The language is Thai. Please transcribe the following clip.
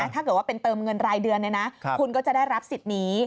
ถ้าเกิดว่าเป็นเติมเงินรายเดือนคุณก็จะได้รับสิทธิ์นี้